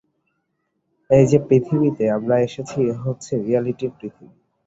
এই-যে পৃথিবীতে আমরা এসেছি এ হচ্ছে রিয়ালিটির পৃথিবী।